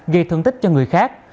gây thương tích cho người khác